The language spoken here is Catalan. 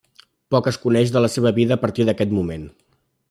Poc es coneix de la seva vida a partir d'aquest moment.